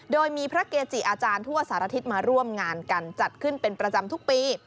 โดยมีพระเกจิอาจารย์ทั่วสารทิศมาร่วมงานกันจัดขึ้นเป็นประจำทุกปี